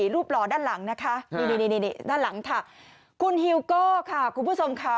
รูปหล่อด้านหลังนะคะคุณฮิวโก้ค่ะคุณผู้ชมค่ะ